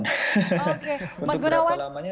untuk berapa lamanya